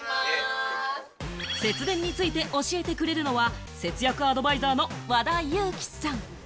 節電について教えてくれるのは節約アドバイザーの和田由貴さん。